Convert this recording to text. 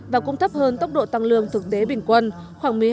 và cũng thấp hơn tốc độ tăng lương thực tế bình quân khoảng một mươi hai